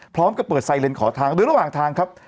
พร้อมกับเปิดไซเลนขอทางโดยระหว่างทางครับ